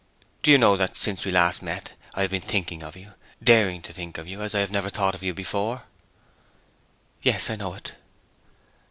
'Do you know that since we last met, I have been thinking of you daring to think of you as I never thought of you before?' 'Yes, I know it.'